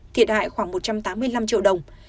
thiệt hại khoảng một trăm tám mươi năm triệu đồng